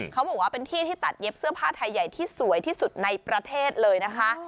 เขาบอกว่าเป็นที่ที่ตัดเย็บเสื้อผ้าไทยใหญ่ที่สวยที่สุดในประเทศเลยนะคะ